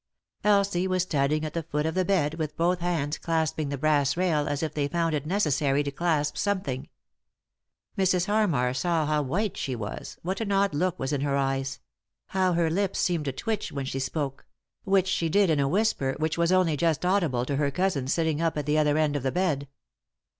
Elsie was standing at the foot of the bed, with both hands clasping the brass rail, as if they found it necessary to clasp something, Mrs. Harmar saw how white she was, what an odd look was in her eyes; how her lips seemed to twitch when she spoke — which she did in a whisper which was only just audible to her cousin sitting up at the other end of the bed.